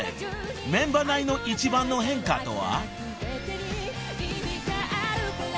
メンバー内の一番の変化とは？］